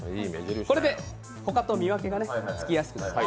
これで他と見分けがつきやすくなります。